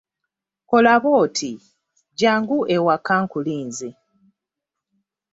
Kola bw'oti, jjangu ewaka nkulinze.